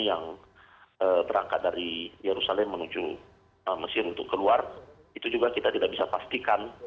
yang berangkat dari yerusalem menuju mesir untuk keluar itu juga kita tidak bisa pastikan